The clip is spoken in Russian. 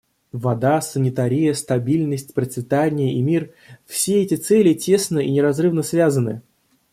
Вода, санитария, стабильность, процветание и мир — все эти цели тесно и неразрывно связаны.